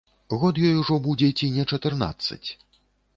Год ёй ужо будзе ці не чатырнаццаць.